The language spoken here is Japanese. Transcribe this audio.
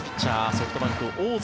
ソフトバンク、大関。